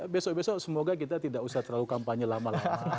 besok besok semoga kita tidak usah terlalu kampanye lama lama